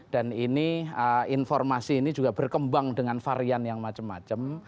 dan ini informasi ini juga berkembang dengan varian yang macam macam